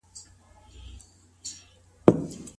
پلار خپلي لور ته د صبر کولو توصيه وکړه.